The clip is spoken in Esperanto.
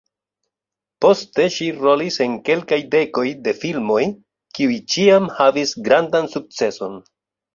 Poste ŝi rolis en kelkaj dekoj de filmoj, kiuj ĉiam havis grandan sukceson.